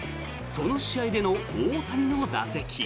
その試合での大谷の打席。